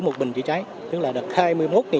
một bình chỉ cháy